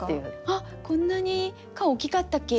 「あっこんなに顔大きかったっけ？」とか。